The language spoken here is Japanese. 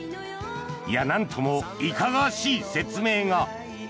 なんともいかがわしい説明が。